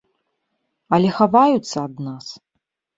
Але хаваюцца ад нас.